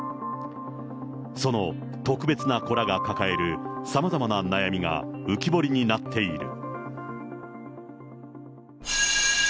その特別な子らが抱えるさまざまな悩みが浮き彫りになっている。